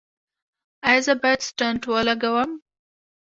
ایا زه باید سټنټ ولګوم؟